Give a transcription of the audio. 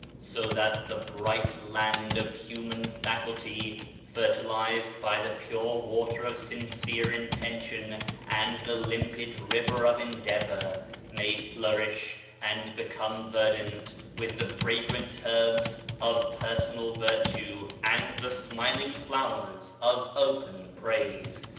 So that the bright land of human faculty fertilized by the pure water of sincere intention and the limpid river of endeavor, may flourish and become ver dant with the fragrant herbs of personal virtue, and the smiling flowers of open praise.